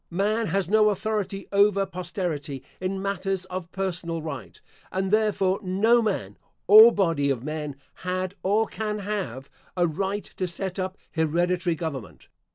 Man has no authority over posterity in matters of personal right; and, therefore, no man, or body of men, had, or can have, a right to set up hereditary government.